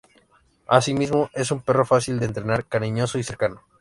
Asimismo, es un perro fácil de entrenar, cariñoso y cercano.